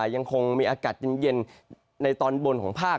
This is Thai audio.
ยังคงมีอากาศเย็นในตอนบนของภาค